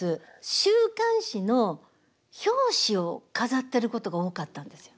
週刊誌の表紙を飾ってることが多かったんですよ。